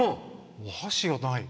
お箸がない。